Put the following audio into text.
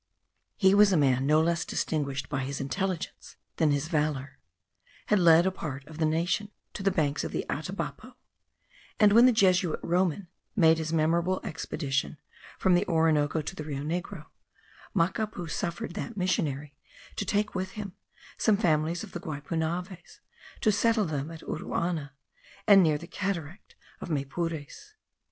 He was a man no less distinguished by his intelligence than his valour; had led a part of the nation to the banks of the Atabapo; and when the Jesuit Roman made his memorable expedition from the Orinoco to the Rio Negro, Macapu suffered that missionary to take with him some families of the Guaypunaves to settle them at Uruana, and near the cataract of Maypures.